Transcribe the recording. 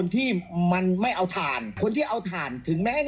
ติดต่อเข้ามาที่ไอทีเฟิร์น